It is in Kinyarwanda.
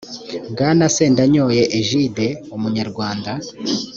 bwana sendanyoye egide umunyarwanda